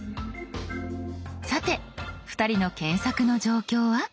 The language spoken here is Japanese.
さて２人の検索の状況は。